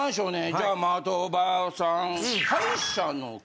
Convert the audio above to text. じゃあ的場さん。